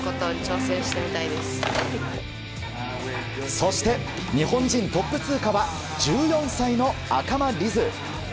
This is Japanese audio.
そして、日本人トップ通過は１４歳の赤間凛音。